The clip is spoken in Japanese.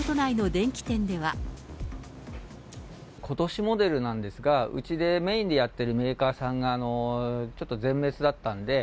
ことしモデルなんですが、うちでメインでやってるメーカーさんがちょっと全滅だったんで。